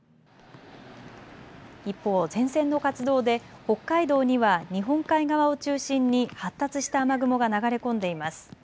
一方、前線の活動で北海道には日本海側を中心に発達した雨雲が流れ込んでいます。